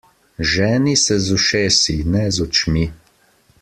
Ženi se z ušesi, ne z očmi!